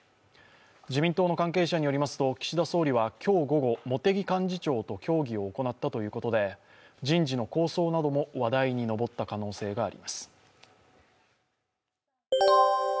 自民党の関係者によりますと、岸田総理は今日午後、茂木幹事長と協議を行ったということで人事の構想なども話題に上った可能性があります。